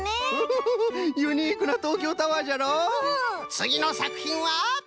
つぎのさくひんは？